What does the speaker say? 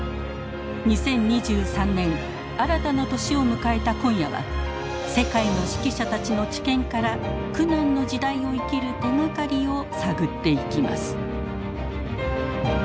２０２３年新たな年を迎えた今夜は世界の識者たちの知見から苦難の時代を生きる手がかりを探っていきます。